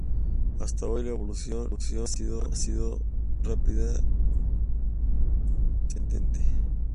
Hasta hoy la evolución ha sido rápida y ascendente.